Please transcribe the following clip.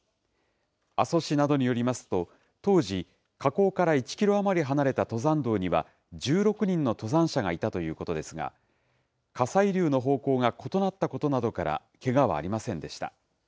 阿蘇市などによりますと、当時、火口から１キロ余り離れた登山道には、１６人の登山者がいたということですが、火砕流の方向が異なったことなどから、けがはありませんでした。